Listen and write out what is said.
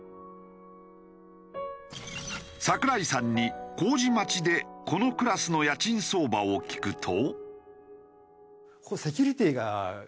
櫻井さんに麹町でこのクラスの家賃相場を聞くと。